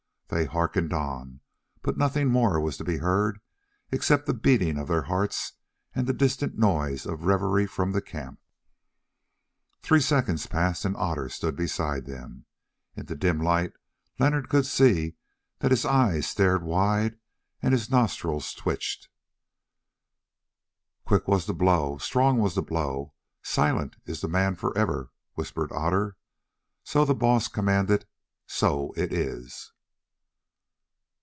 They hearkened on, but nothing more was to be heard except the beating of their hearts and the distant noise of revelry from the camp. Three seconds passed and Otter stood beside them. In the dim light Leonard could see that his eyes stared wide and his nostrils twitched. "Quick was the blow, strong was the blow, silent is the man for ever," whispered Otter. "So the Baas commanded, so it is."